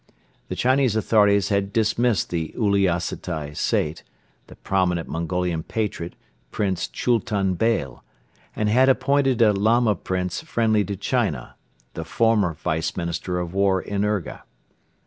The Chinese authorities had dismissed the Uliassutai Sait, the prominent Mongolian patriot, Prince Chultun Beyle, and had appointed a Lama Prince friendly to China, the former Vice Minister of War in Urga.